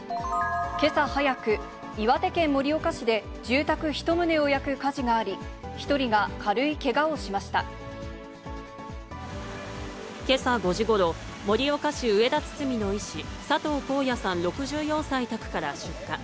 けさ早く、岩手県盛岡市で、住宅１棟を焼く火事があり、けさ５時ごろ、盛岡市上田堤の医師、佐藤公也さん６４歳宅から出火。